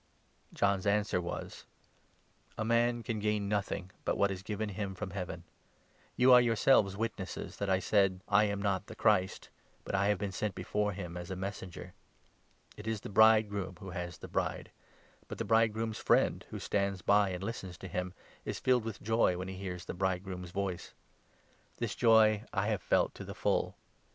John's answer was — 27 "A man can gain nothing but what is given him from Heaven. You are yourselves witnesses that I said ' I am 28 not the Christ,' but 'I have been sent before him as a Messenger.' It is the bridegroom who has the bride ; but the 29 bridegroom's friend, who stands by and listens to him, is filled with joy when he hears the bridegroom's voice. This joy I have felt to the full.